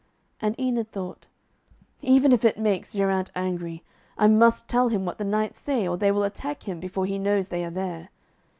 And Enid thought, 'Even if it makes Geraint angry, I must tell him what the knights say, or they will attack him before he knows they are there.'